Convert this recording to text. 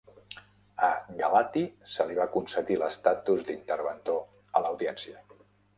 A Galati se li va concedir l'estatus d'interventor a l'audiència.